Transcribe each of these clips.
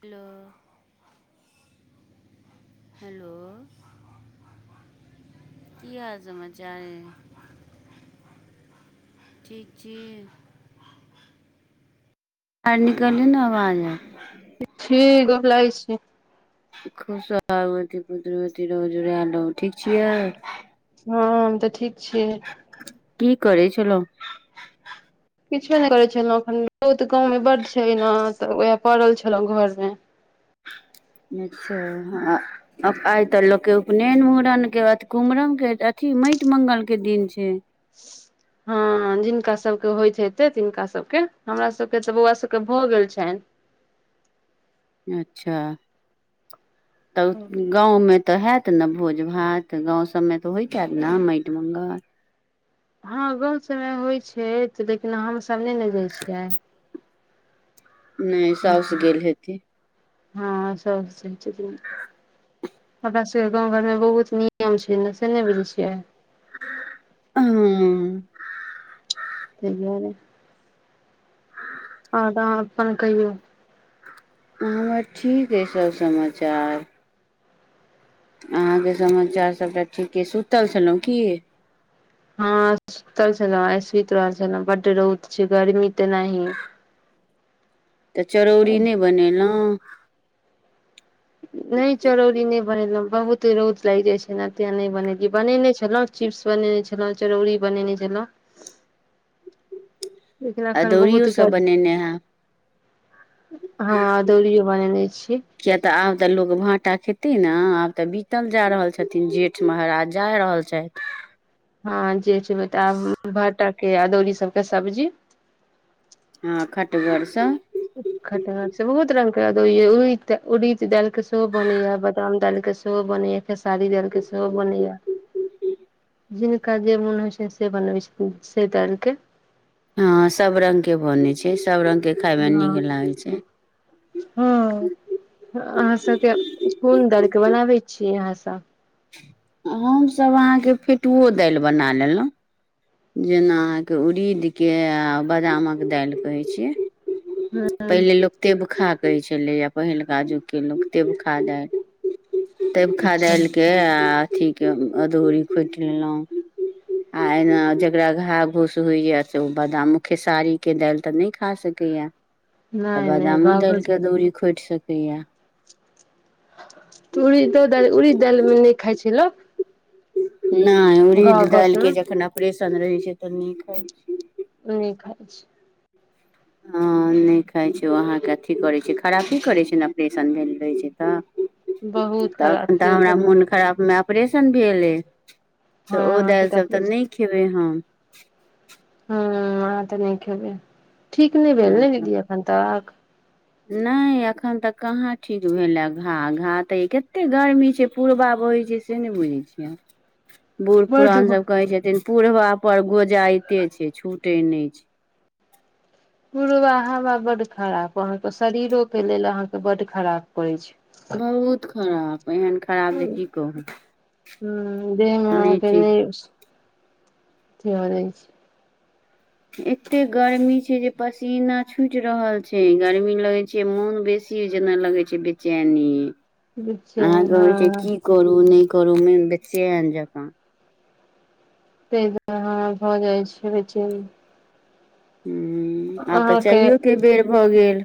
हलो hello कि हाल समाचार ठीक छि बाहर निकलियौ ने आवाज आएत छी ग लै छै खुब सोहागवती पुत्रवती रहु जुड़ाएल रहु ठीक छियै हँ हम तऽ ठीक छि की करै छलौं किछो नहि करै छलौं एखन तऽ गाँव मे बड्ड छै ने तऽ उएह पड़ल छलौं घर मे छा आइ तऽ लोकके उपनयन मुड़नके कुमरमके अथी माटि म्ंगल के दिन छै हँ जिनका सबके होइत हेतै तिनका सबके हमरा सबके तऽ बौआ सबके भऽ गेल छनि अच्छा त उ गाँवमे तऽ हेत ने भोज भात गाँव सबमे तऽ होइत हेत ने माटि मङ्गल हँ गाँउ सबमे होइ छै तऽ देखना हमसब नइ ने जाइ छियै नइ साउस गेल हेती हँ सब छै ठीक हमरा सबके गाँव रैबो के थोरे के उ छै से नहि बुझै छियै हूंअ् [unintelligible] खेलें हँ तहन फोन केलियौ हमर ठीक अइ सभ समाचार अहाँके समाचार सभटा ठीके सुतल छलहुँ की हँ सुतल छलहु आइ सुति रहल छलहूॅं बड्ड रऽउद छै गर्मी तनाहिये तऽ चरौरी नहि नइ बनेलौं नहि चरौड़ी नहि बनेलहुँ बहुत रौद लागि जाइत छै तें नहि बनेलियै बनेने छलहुँ चिप्स बनेने छलौं चरौड़ी बनेने छलौं लेकिन एखन बहुत अदौड़ियो सब ग बनेने हैब हँ है अदौड़ियो बनेने छी किया तऽ आब तऽ लोग भाटा खेतै न आब तऽ बीतल जा रहल छथिन जेठ महाराज जा रहल छथि हँ जे छै बताब भटा के अदौरी सबके सब्जी हँ खटगरसँ खटगर से बहुत रंग के अदौरी य उड़िद उड़िद डाल के सेहो बनैया बादाम दालिक के सेहो सेहो बनैया खेसारी दाइल के सेहो बनैया ठ ह [inaudible] जिनका जे मोन होइ छैन से बनबे छथिन से दाइल के हँ सभ रंग के बनैत छै सभ रंगके खायमे नीक लागैत छै हं अहाँ सबके कून दाल के बनाबै छीयै अहाँ सब हम सभ अहांके फेटुओ दालि बना लेलहुं जेना अहाँके उरीदके आ बादामक दालि रहैत छियै हँ पहिले लोक तेबखा लै छलैए पहिलुका जुगके लोक तेबखा दा तेबखा अच्छा दायल कऽ आ अथीके अदौरी खोटि लेलहुँ आ एना जकरा घा घौस होइए त ओ बादामो खेसारीके दालि तऽ नै खा सकैए तऽ नहि नहि बादामो बाब दालिके अदौरी खोटि सकैये तऽ उड़ीदो दायल उड़ीद दायलमे नहि खाइ छै लोक नइ उड़िद गाँव गाँव दालि सबमे के जखन ऑपरेशन रहै छै तऽ नै खाइ छै नहि खाइ छै हँ नइ खाइ छै ओ अहाँकेँ अथि करै छै खराबी करै छै ने ऑपरेशन भेल रहै छै तऽ बहुत त अ [unintelligible] खराब खन तऽ छियै हमरा सब मोन खराब मे प्रेशन भेलयै तऽ ओ हँ दालि सब किताब तऽ नइ खेबै हम ह आँहा तऽ नहि खैबै ठीक नहि भेल हँ ने दीदी एखन तऽक नहि एखन तक कहाँ ठीक भेले घा घा त कते गर्मी छै पूरबा बहै छै से नहि बुझैत छियै आहां बूढ़ बड पुरान सब कहै छथिन पुढ़बा पर गोजायइते छै छूटे नहि छै पूर्बा हवा बड्ड खराब अहाँके शरीरो के लेल अहाँके बड्ड खराब करै छै बहुत खराब एहन खराब जे की कहू नहि ठीक [unintelligible] तआरै छै [unintelligible] एते गर्मी छै जे पसीना छूटि रहल छै गर्मी लगे छै मोन बेसी जेना लगै छै बेचैनी बेचैन अहाँके होइ छै हँ की करू नहि करू मेन बेचेन जकाँ ते दुर ह भऽ जाइ छै बेचैन हू आब तऽ अहाँके चायहो के बेर भऽ गेल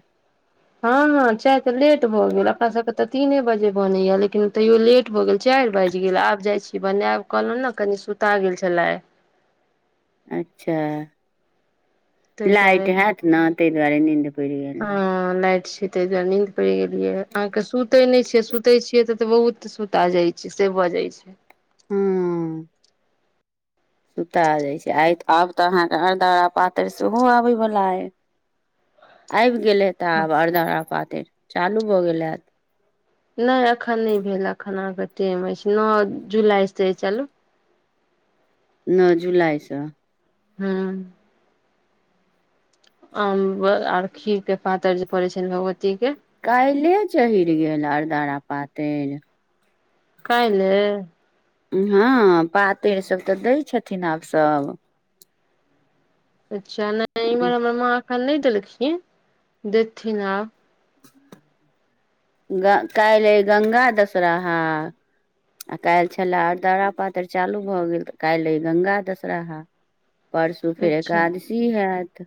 हँ हँ, चाय तऽ लेट भऽ गेल अपना सभके तऽ तीने बजे बनैया लेकिन तैयो लेट भऽ गेल चारि बाजि गेल आब जाइ छी, बनायब कहलहुँ ने कनी सुता गेल छलै आ अच्छा ताहि दुआरे लाइट हयत न तै दुआरे नींद पड़ि गेल रहै हँ, लाइट छी तय दुआरे नींद पड़ि गेलियै अहाँकेँ सुते नहि छियै, सुते छियै तऽ बहुत सुता जाइ छै से भऽ जाइ छै। हूँ। सुता जाइ छै आइ आब तऽ अहाँकके अरदरा पातरि सेहो आबे वाला हे आबि गेले तऽ आब अरदरा पातरि चालू भऽ गेल हत नहि अखन नहि भेल अखन अहाँके टाइम अछि नओ जुलाईसे चलू नओ जुलाइसँ हूं आम आर खीरके पातर जे पड़े छ भगवतीके काइले चहीर गेल अरदरा पातरि। काइले। हँ, पातरि सभ तऽ दै छथिन आब सभ। अच्छा, नहि इम्हर हमर माँ एखन नहि देलखिन देथिन आब। ग काल्ह रहै गंगा दशराहा आ काल्हि छले आरदरा पातरि चालू भऽ गेल तऽ काल्हि अइ गंगा दशराहा। परसू फेर अच्छा एकादशी हैत।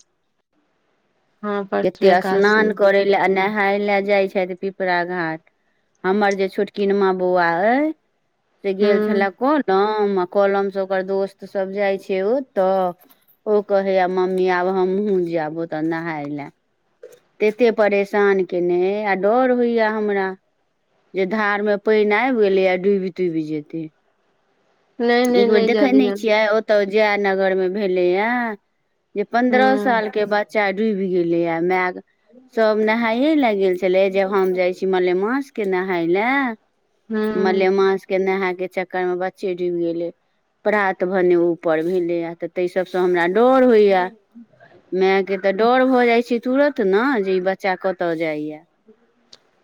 हँ परसू कतेक एकादशी हूँ स्नान करय लए आ नहाय लए जाइ छथि पिपरा घाट हमर जे छोटकिन माँ बौआ से गेल छले नहि कहलम कहलमसँ ओकर दोस्त सभ जाइ छै ओतऽ ओ कहे आ मम्मी आब हमहुँ जेब ओतऽ नहाय ले तते परेशान केने आ डर होइया हमरा जे धारमे पाएन आबि गेलेया डूब टुब जेतै नहि एकबेर देखे जाय नहि दियौन छियै। तौ जय नगरमे भेले या जे पन्द्रह हूँ सालके बच्चा डूबि गेले य मै सभ नहाामयए लए गेल छलै जब हम जाइ छी मलेमास के नहाय ले हूँ मलेमास के नहायके चक्करमें बच्ची डुबि गेलै प्रात भेने ऊपर भेलै। ताहि सभसँ हमरा डर होइया मायके तऽ डर भऽ जाय छी तुरंत ने जे ई बच्चा कतय जाइया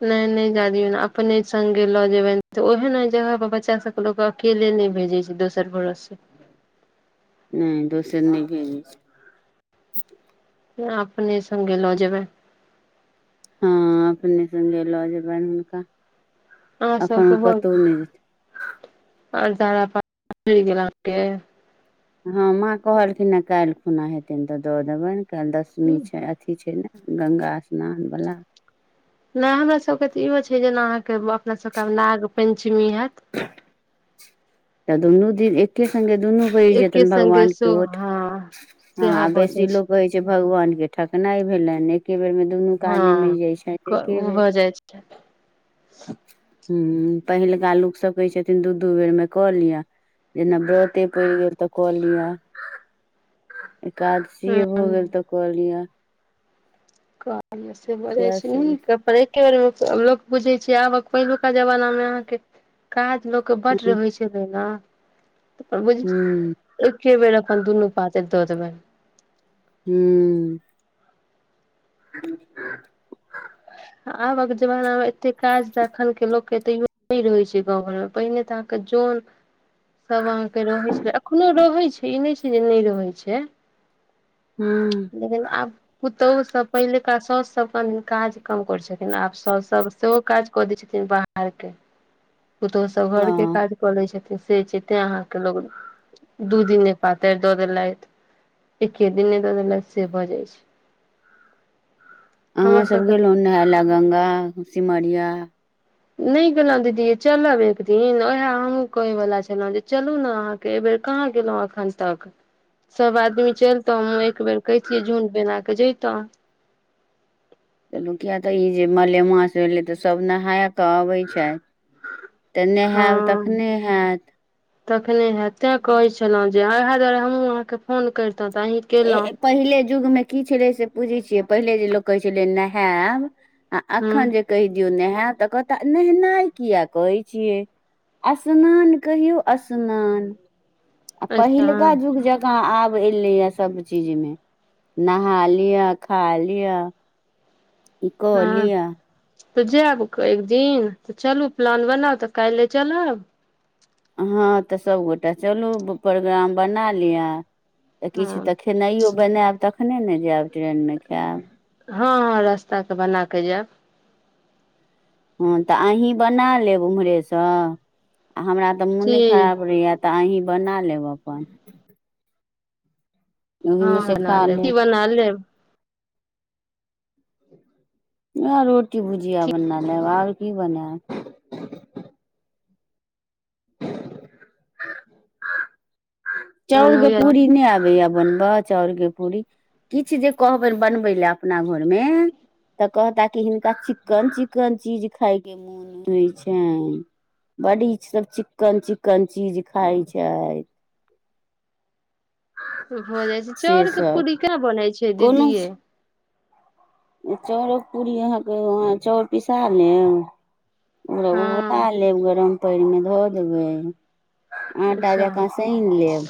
नहि नहि जे दियोन अपने सगे लऽ जेबै तऽ ओहेन ओहेन जगह पर बच्चा सभ लोक अकेले नहि भेजे छै दोसर भरोसे नहि दोसर नहि भेजै छै। अपने संगे लऽ जेबै। हँ, अपने सगे लऽ जेबनि हुनका अहाँ सबके अखन कतहु नहि आरदरा [unintelligible] गेल अहाँकेँ हँ, माँ कहलखिन ने काल्हि खुना हेथिन तऽ दऽ देबनि काल्हि दसमी छै। अथि छै ने गंगा स्नानवला नहि हमरा सभके तऽ इहो छै, जेना अहाँकेँ अपनासभके नाग पञ्चमी होत तऽ दुनुदिन एक के संगगे दुनू कहि एके जेतनि संगे भगवानके सो ओठ हँ सेहा भऽ जाइ बेसी लोग कहै छै। जे भगवानके ठकनाइ भेलनि एके बेरमे दुनू क आदमी मरि जाय छै एके बेर अच्छा। पहिलका लोक सभ कहै छथिन दू दू बेर मे कऽ लिआ जेना वर्ते परि गेल तऽ कऽ लिआ एकादशीए भऽ गेल तऽ कहलिअ। [unintelligible] पर एके बारमे लोक बुझे छी आबक पहिलुका जमानमें अहाँकेँ काज ह बड रहै छले न बु ह एके बेर अपन दुनू पातर दऽ देबै। हू। ह। आबक जमाना मे एते काज तऽ एखन के लोकके तैयो नहि रहै छै गाँव घर मे पहिने तऽ क् जौन [inaudible] सभ अहाँके रहै छै एखनो रहै छै ई नहि छै जे नहि रहै छै हू लेकिन आब पुतोहु सब पहिलका साउस सब क काज कम करे छ लेकिन आब सब सब सेहो काज कऽ दै छथिन बाहर के पुतहु सब घर के हँ काज बले छथिन से छै तें अहाँके लोग दू दिन पातरि दऽ देलथि एके दिनने दऽ देल से भऽ जाय छै अहाँ हमर सब सबके गेलौ नहाय ला गंगा सिमरिया नहि गेलहुँ दीदी चलब एक दिन उएह हमहूँ कहेवला छलहुँ जे चलू ने अहाँ अयबेर कहाँ गेलहुँं एखन तक सब आदमी चलितो हमँ एक बेेर क छिये झुंड बना क जैतहु चलू किया तऽ ई जे मलेमास भेलै तऽ सभ नहाय कऽ अबै छै तऽ नहैब हँ तखने हैत तखने हैत तें कहै छलहुँ जे आँहा दुआरे हमहूँ अहाँके फोन करितहुँ तऽ अही ए पहिले युगमे की छलै से बुझै छियै पहिले जे लोक कहै छलै नहायब आ हँ एखन जे कहि दियौ नहेब तऽ कहता नहेनाइ किया कहै छियै असनान कहिऔ असनान आ अच्छा पहिलका हँ जुग जकाँ आब एलैए सभ चीज मे नहा लिअ खा लीअ हू तऽ जायब एक दिन तऽ चलू प्लान बनाउ तऽ काल्हि चलब हँ, तऽ सबगोटा चलू, प्रोग्राम बना लिअ तऽ किछु तऽ हँ हेतै। खेनाइयो बनाएब तखने ने जाएब ट्रेनमे खाएब हँ हँ रास्ता के बना क जाब ह तऽ अही बना लेब उम्हरे स आ हमरा तऽ मोने ठीक खराब रहय तऽ अही बना लेब अपन ह ओहिमे से खा बनालेब कि लेब बनालेब उएह रोटी-भुजिया ठीक बना लेब, आओर की बनायब। मोन चाउर के होइय पूड़ी नै आबैया बनबा चाउर के पूड़ी किछ जे कह बैन बनबै ले अपना घरमे तऽ कहता कऽ हिन का चिकन चिकन चीज खाय कऽ मन मोन होइ छैन बड इ सभ चिकन चिकन चीज खाई छैथ भऽ जाइ छैअ से चाउर के सब पूड़ी केना बनै छै कोनो दीये चाउरक पूड़ी अहाँके, चाउर पिसा लेब। ओ उ उटा हँ लेब गरम पानिमे धऽ देबै आटा अच्छा जकाँ सैन लेब,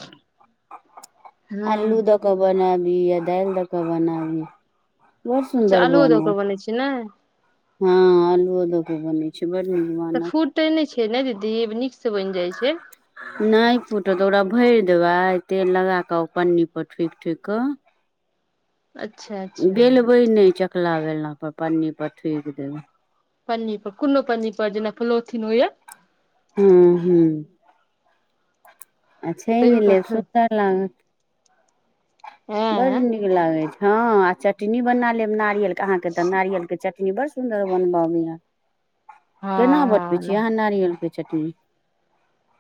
हँ आलू दऽ क के बनाबी? या दालि दे कऽ बनाबी? बड़ सुन्दर बनत। सुनै छी ने। हँ, आलु ओ दऽ के बनेछै बड़ नीक बनत ते ने छै ने दीदी नीक से बनि जाय छै नहि फूटत, ओकरा भरि देबै। तेल लगा कऽ पन्नी पर ठोकि-ठोकि कऽ। अच्छा अच्छा बेलबै ने चकला बेला पर पन्नी पर ठोक देबै पन्नी पर कोनो पन्नी पर जेना पलोथिन होइया हू, हू। आ छ तहियो पर लेब ठो सुन्दर लागत बड़ ऐं हँ नीक नीक लागै छै हँ आ चटनी बना लेब नारियल के अहाँके तऽ नारियल के चटनी बड़ सुन्दर बनबऽ अबैया केना बनबै छीये हँ अहा नारियल के चटनी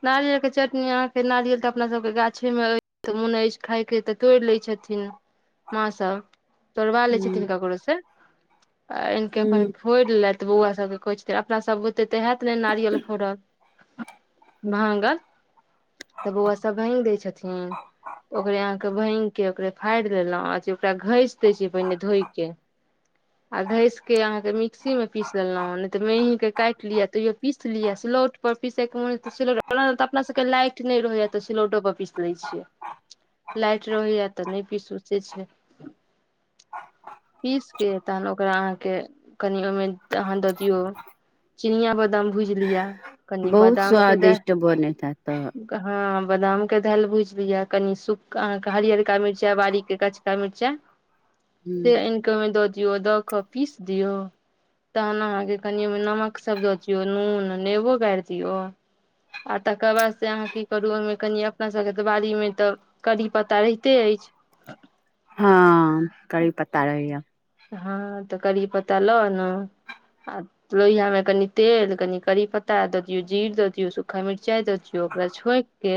नारियल कऽ चटनी अहाँकेँ नारियल तऽ अपना सभके गाछे मे अछि मोन अछि खायके तऽ तोड़ि लै छथिन माँ सभ तोरबा लेय छथिन ककरो से आ आनि के अपन हूँ फोड़ि लेत बौआ सब के कहे छथिन अपना सभ बोते तऽ हायत ने नारियल फोड़ल भांगल तऽ बौआ सभ भागि दै छथि, ओकरहि अहाँके भाग एकबेर फाड़ि देलो ओकरा घेस देय छिए पहिने धोईके [inaudible] आ घेस के अहाँकेँ मिक्सी मे पीस लेलहुँं ने तऽ मेही के काटि लिआ तैयो पीस लिआ सलौट पर पीसे क मन हेते अपना सभके लाइट नै रहे या सिलौटो पर पीस लै छियै लाइट रहैया तऽ नहि पीसउ सोचे छै। पीस के तहन ओकरा अहाँकेँ कनि ओमे त अहाँ दऽ दियौ चिनिया बादाम भुज लिया कनि बादाम के दे स्वदिष्ट बने हा त हँ, बादाम के दालि भुजि लिअ, कनि सूख। अहाँके हरियर मिर्चा बाड़ी के कच्चा मिर्चाइ [inaudible] से ऐनक ओमे दऽ दियऔ दऽ दियों पीस दियऔ तेहन अहाँके कनि में नमक सभ दऽ दियौ, नून नेबो गारि दिअ। आ तकर बाद से अहाँ कि करू ओहिमे कनि अपना सभके बारी मे तऽ करीपता रहिते अछि। हा कड़ीपता रहैय हँ तऽ करिपता लऽ आनो आ लोहिया मे कनि तेल कनि करीपत्ता दियऔ जीर द दियऔ सूखा मिरचाई दियऔ ओकरा छोक के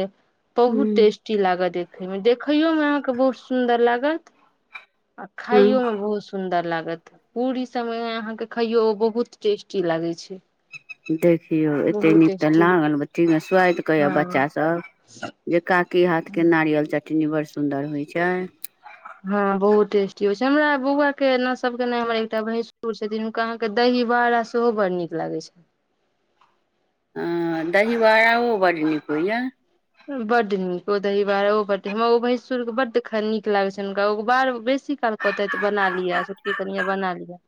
हूँ बहुत टेस्ट हँ, ई लागत में देखैमे बहुत सुन्दर लागत। अहाँके बहुत नीक लागत खाइयोमे बहुत सुन्दर लागत पूरी सबमे अहाँ के खाइयो ओ बहुत टेस्टी लागे छै देखियौ एतेक बहुत नीक तऽ टेस्टी लागल, सुआत कहेया हँ बच्चा सभ जे काकि हाथ के नारियल चटनी बड़ सुन्दर होय छै हँ बहुत टेस्टी होइ छै हमरा बौआ के न सब के हमरा एकटा भैंसुर छथिन अहाँके दही बाड़ा सेहो बड़ नीक लागै छै हऽ दहीवड़ा बड़ नीक हो या बड़ नीक ओ दही बारओ बड हमरा ओ भैसुर बड़ ख नीक लागैय छनि हुनका ओ बार बेसी काल कहतैत बना लिय छोटकी कनिया बना लिय